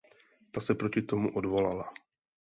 Ta se proti tomu odvolala.